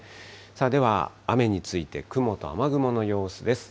では、雨について雲と雨雲の様子です。